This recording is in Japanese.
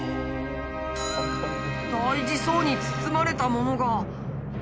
大事そうに包まれたものが。